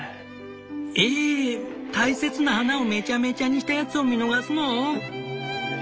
「ええ大切な花をめちゃめちゃにしたヤツを見逃すの？」。